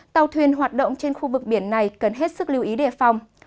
tàu thuyền hoạt động trên khu vực biển này cần hết sức lưu ý đề phòng